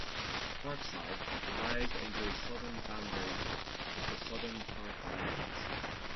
Parkside lies on the southern boundary of the southern park lands.